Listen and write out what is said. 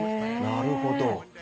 なるほど。